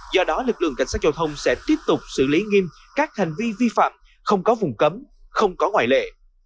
do đó lực lượng cảnh sát giao thông sẽ tiếp tục xử lý nghiêm các hành vi vi phạm không có vùng cấm không có ngoại lệ